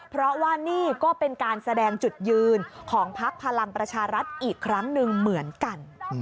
เพราะว่านี่ก็เป็นการแสดงจุดยืนของพักพลังประชารัฐอีกครั้งหนึ่งเหมือนกัน